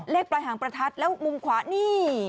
ปลายหางประทัดแล้วมุมขวานี่